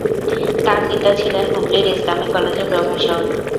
তার পিতা ছিলেন হুগলির ইসলামিক কলেজের প্রভাষক।